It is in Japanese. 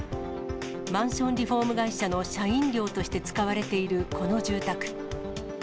マンションリフォーム会社の社員寮として使われているこの住宅。